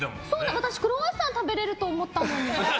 私、クロワッサン食べられると思ったのに。